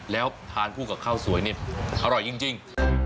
แล้วทานคู่กับข้าวสวยนี่อร่อยจริง